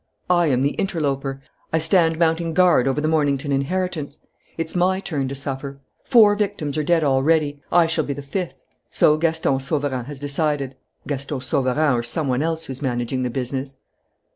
I am the interloper. I stand mounting guard over the Mornington inheritance. It's my turn to suffer. Four victims are dead already. I shall be the fifth. So Gaston Sauverand has decided: Gaston Sauverand or some one else who's managing the business."